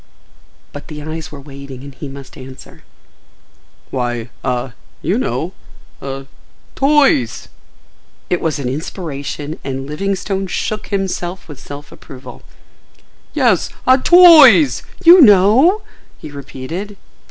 But the eyes were waiting and he must answer. "Why—ah—you know,—ah—toys!" It was an inspiration and Livingstone shook himself with self approval. "Yes—ah—TOYS! you know?" he repeated.